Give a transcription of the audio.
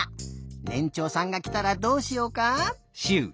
ねんちょうさんがきたらどうしようか？